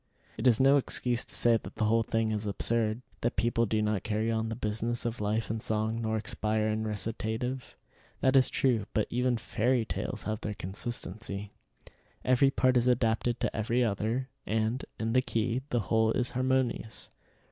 It is no excuse to say that the whole thing is absurd; that people do not carry on the business of life in song, nor expire in recitative. That is true, but even fairy tales have their consistency. Every part is adapted to every other, and, in the key, the whole is harmonious.